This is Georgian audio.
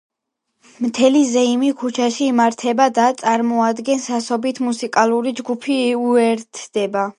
მთელი ზეიმი ქუჩაში იმართება და წარმოდგენას ასობით მუსიკალური ჯგუფი უერთდება.